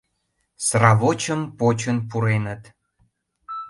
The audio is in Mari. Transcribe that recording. Сравочым почын пуреныт...